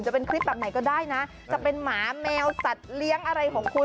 จะเป็นคลิปแบบไหนก็ได้นะจะเป็นหมาแมวสัตว์เลี้ยงอะไรของคุณ